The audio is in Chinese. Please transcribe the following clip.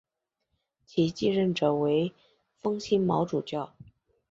其继任者为封新卯主教。